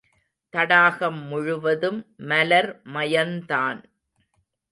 தடாகம் முழுவதும் மலர் மயந்தான்.